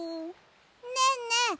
ねえねえ